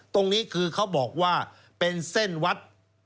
ตรงนี้คือเขาบอกว่าเป็นเส้นวัด